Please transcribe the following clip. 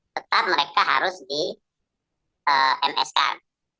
tetap mereka harus di ms kan